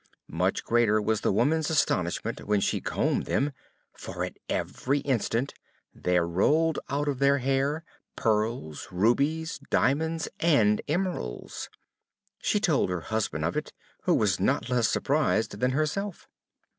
Much greater was the woman's astonishment when she combed them, for at every instant there rolled out of their hair pearls, rubies, diamonds, and emeralds. She told her husband of it, who was not less surprised than herself.